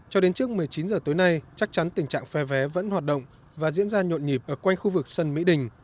cho đến trước một mươi chín h tối nay chắc chắn tình trạng phe vé vẫn hoạt động và diễn ra nhộn nhịp ở quanh khu vực sân mỹ đình